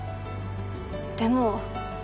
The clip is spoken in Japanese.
でも。